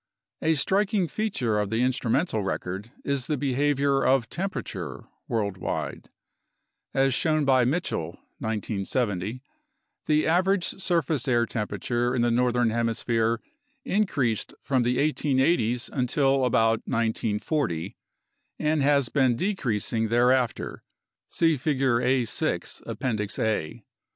A striking feature of the instrumental record is the behavior of tem perature worldwide. As shown by Mitchell (1970), the average surface air temperature in the northern hemisphere increased from the 1880's until about 1940 and has been decreasing thereafter (see Figure A. 6, Appendix A).